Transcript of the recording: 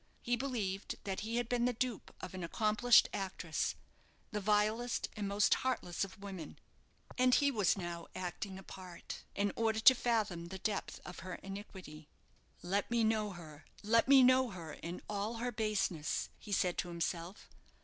He believed that he had been the dupe of an accomplished actress the vilest and most heartless of women and he was now acting a part, in order to fathom the depth of her iniquity. "Let me know her let me know her in all her baseness," he said to himself.